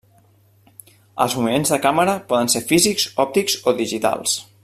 Els moviments de càmera poden ser físics, òptics o digitals.